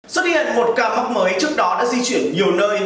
xuất hiện một ca mắc mới trước đó đã di chuyển nhiều nơi